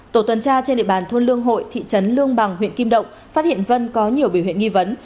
tổ tuần tra trên địa bàn thôn lương hội thị trấn lương bằng huyện kim động phát hiện vân có nhiều biểu hiện nghi vấn